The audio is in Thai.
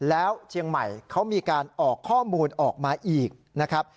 แล้วเชียงใหม่เขามีการออกข้อมูลออกมาอีกนะครับ